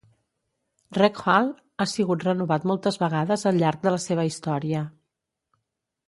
Rec Hall ha sigut renovat moltes vegades al llarg de la seva història.